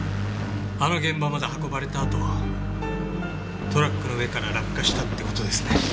あの現場まで運ばれたあとトラックの上から落下したって事ですね。